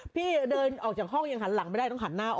พี่เดินออกจากห้องยังหันหลังไม่ได้ต้องหันหน้าออก